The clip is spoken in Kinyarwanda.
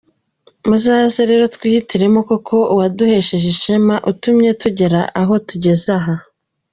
Muzaze rero twihitiremo koko uwaduhesheje ishema utumye tugera aho tugeze aha.